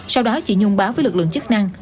sau đó chị nhung báo với lực lượng chức năng